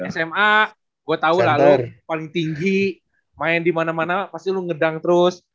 sma gue tau lah lu paling tinggi main dimana mana pasti lu ngedang terus